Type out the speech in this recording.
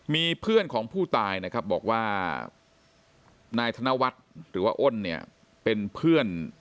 มีเพื่อนของผู้ตายนะครับบอกว่านายธนวัฒน์หรือว่าอ้นเนี่ยเป็นเพื่อน